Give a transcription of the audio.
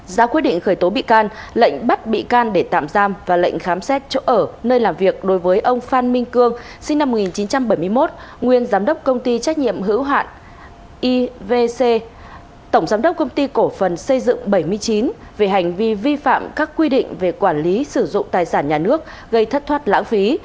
ra quy định khởi tố bị can lệnh bắt bị can để tạm giam và lệnh khám xét chỗ ở nơi làm việc đối với ông phan minh cương sinh năm một nghìn chín trăm bảy mươi một nguyên giám đốc công ty trách nhiệm hữu hạn ivc tổng giám đốc công ty cổ phần xây dựng bảy mươi chín về hành vi vi phạm các quy định về quản lý sử dụng tài sản nhà nước gây thất thoát lãng phí